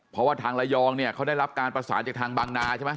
เพราะว่าทางระยองเนี่ยเขาได้รับการประสานจากทางบางนาใช่ไหม